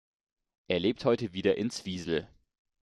Er lebt heute wieder in Zwiesel.